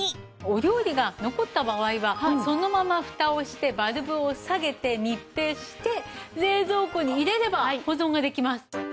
お料理が残った場合はそのままフタをしてバルブを下げて密閉して冷蔵庫に入れれば保存ができます。